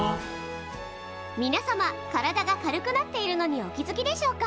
みなさま体が軽くなっているのにお気付きでしょうか？